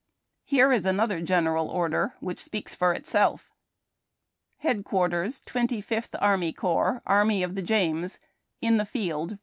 Here is another General Order which speaks for itself :— Headquarters Twenty Fifth Army Corps, Army of the James, In the Field, Va.